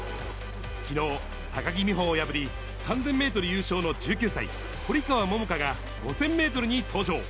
きのう、高木美帆を破り、３０００メートル優勝の１９歳、堀川桃香が５０００メートルに登場。